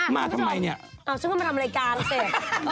มาทำไมนี่อ้าวฉันก็มาทำรายการสิเออ